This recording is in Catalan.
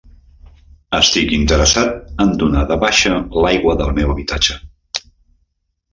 Estic interessat en donar de baixa l'aigua del meu habitatge.